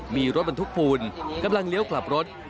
มีรถบรรทุกปูนกำลังเลี้ยวกลับรถ